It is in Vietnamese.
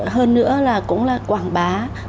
hơn nữa là cũng là quảng bá